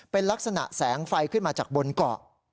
เป็นลักษณะแสงไฟขึ้นมาจากบนเกาะ